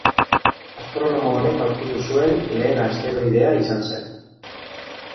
Astronomo honek aurkitu zuen lehen asteroidea izan zen.